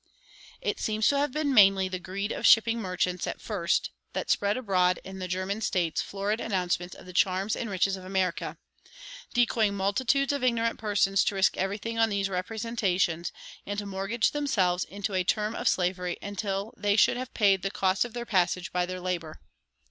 It seems to have been mainly the greed of shipping merchants, at first, that spread abroad in the German states florid announcements of the charms and riches of America, decoying multitudes of ignorant persons to risk everything on these representations, and to mortgage themselves into a term of slavery until they should have paid the cost of their passage by their labor.